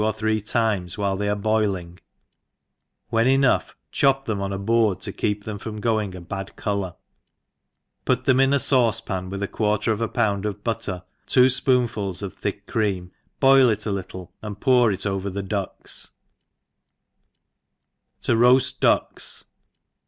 or three times while they are boiling; when enough chop them on a board to keep them from growing a bad colour, put them ia a faucepan with a quarter of a pound of butter, two fpoonfuls of thick cream, boil it a little^ gnd pour it over the ducks« To roqfi Ducks.